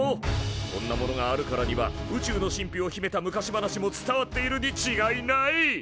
こんなものがあるからには宇宙の神秘をひめた昔話も伝わっているにちがいない！